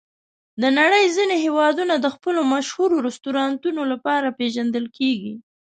د نړۍ ځینې ښارونه د خپلو مشهور رستورانتونو لپاره پېژندل کېږي.